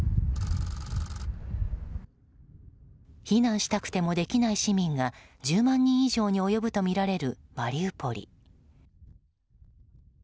避難したくてもできない市民が１０万人以上に上るとみられるマリウポリ。